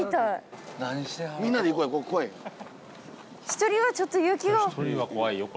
一人はちょっと勇気が。